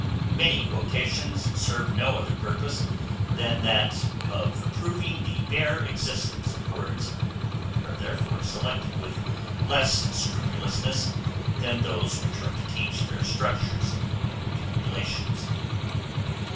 Many quotations serve no other purpose than that of proving the bare existence of words, and are therefore selected with less scrupulousness than those which are to teach their structures and relations.